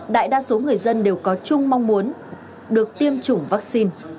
đại đa số người dân đều có chung mong muốn được tiêm chủng vaccine